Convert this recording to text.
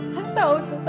saya tahu suster